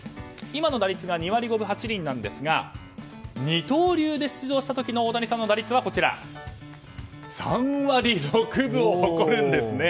今の打率が２割５分８厘ですが二刀流で出場した時の大谷さんの打率は３割６分を誇るんですね。